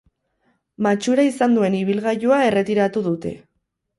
Matxura izan duen ibilgailua erretiratu dute.